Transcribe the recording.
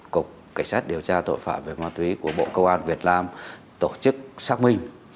cục cảnh sát điều tra tội phạm về ma túy của bộ công an việt nam tổ chức xác minh